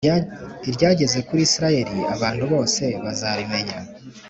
iryageze kuri Isirayeli Abantu bose bazarimenya